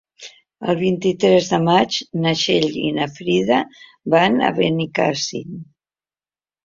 El vint-i-tres de maig na Txell i na Frida van a Benicàssim.